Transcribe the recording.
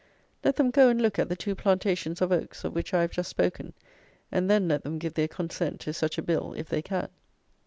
Let them go and look at the two plantations of oaks, of which I have just spoken; and then let them give their consent to such a Bill if they can.